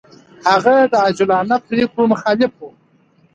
هغه د عجولانه پرېکړو مخالف و.